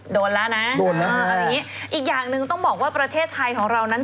โดนแล้วนะอีกอย่างหนึ่งต้องบอกว่าประเทศไทยของเรานั้น